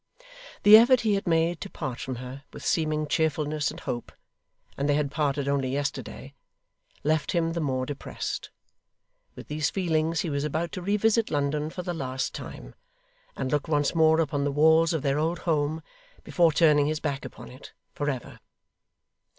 The effort he had made to part from her with seeming cheerfulness and hope and they had parted only yesterday left him the more depressed. With these feelings, he was about to revisit London for the last time, and look once more upon the walls of their old home, before turning his back upon it, for ever.